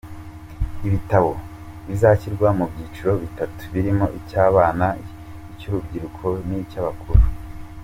Ibitabo bizashyirwa mu byiciro bitatu birimo icy’abana, icy’urubyiruko n’icy’abakuru.